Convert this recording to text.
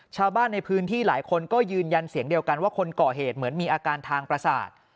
ชาวบ้านในพื้นที่หลายคนก็ยืนยันเสียงเดียวกันว่าคนก่อเหตุเหมือนมีอาการทางประสาท